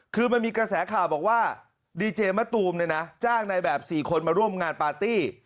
คือมันมีกระแสข่าวบอกว่าดีเจมะตูมเนี่ยนะจ้างในแบบ๔คนมาร่วมงานปาร์ตี้